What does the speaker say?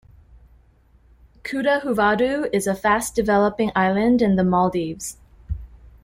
Kudahuvadhoo is a fast developing island in the Maldives.